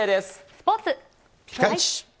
スポーツ。